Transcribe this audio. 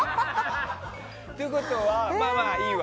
ということは、まあまあいいわ。